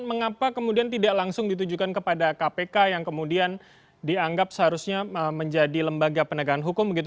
mengapa kemudian tidak langsung ditujukan kepada kpk yang kemudian dianggap seharusnya menjadi lembaga penegakan hukum begitu